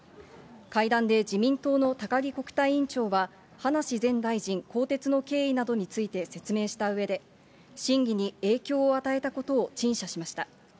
会談で自民党の高木国対委員長は、葉梨前大臣更迭の経緯などについて説明したうえで、審議に影響を与えたことを陳謝しました。